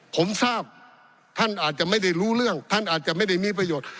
ผมทราบท่านอาจจะไม่ได้รู้เรื่องท่านอาจจะไม่ได้มีประโยชน์